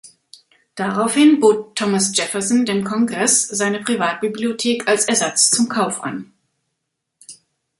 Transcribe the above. Daraufhin bot Thomas Jefferson dem Kongress seine Privatbibliothek als Ersatz zum Kauf an.